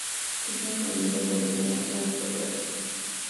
Creció en un ambiente revolucionario aristocrático.